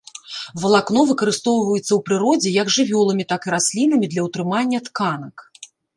Валакно выкарыстоўваецца ў прыродзе як жывёламі, так і раслінамі для ўтрымання тканак.